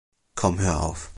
Komm hör auf.